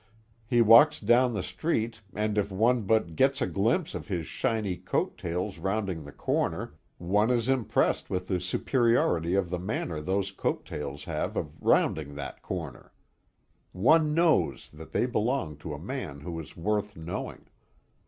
He walks down the street, and if one but gets a glimpse of his shiny coat tails rounding the corner, one is impressed with the superiority of the manner those coat tails have of rounding that corner. One knows that they belong to a man who is worth knowing.